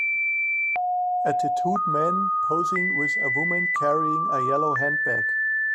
A tattooed man posing with a woman carrying a yellow handbag.